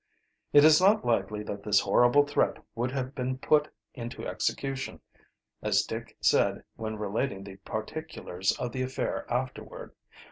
It is not likely that this horrible threat would have been put into execution. As Dick said when relating the particulars of the affair afterward.